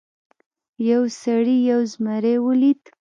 یو سړي یو زمری ولید.